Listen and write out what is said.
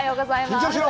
緊張しろ！